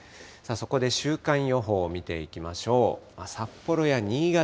そこで週間予報を見ていきましょう。